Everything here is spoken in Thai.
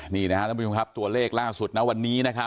นี่นะครับท่านผู้ชมครับตัวเลขล่าสุดนะวันนี้นะครับ